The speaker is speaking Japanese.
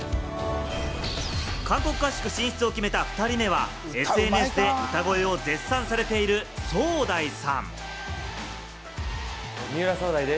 韓国合宿進出を決めた２人目は、ＳＮＳで歌声が絶賛されている、ソウダイさん。